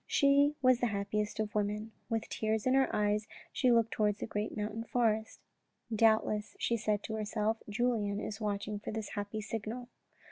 She was the happiest of women. With tears in her eyes she looked towards the great mountain forest. " Doubt less," she said to herself, " Julien is watching for this happy signal."